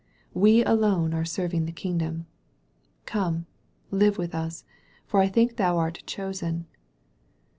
We alone are serving the kingdom. Come, live with us, for I think thou art chosen."